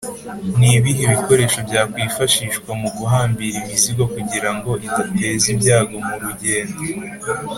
ni bihe bikoresho byakwifashishwa mu guhambira imizigo Kugirango idateza ibyago murugendo